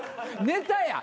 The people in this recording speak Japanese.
ネタや。